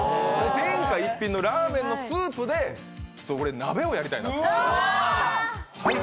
天下一品のラーメンのスープで鍋をやりたいなと。